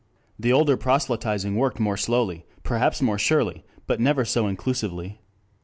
The older proselyting worked more slowly, perhaps more surely, but never so inclusively.